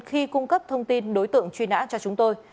khi cung cấp thông tin đối tượng truy nã cho chúng tôi